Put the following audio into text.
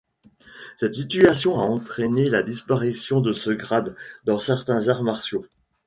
Cette situation a entraîné la disparition de ce grade dans certains arts martiaux.